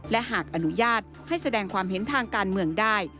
และหากอนุญาตให้แสดงความเห็นทางการเมืองได้